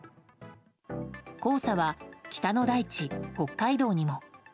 黄砂は北の大地、北海道にも。